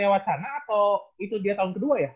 wacana atau itu dia tahun kedua ya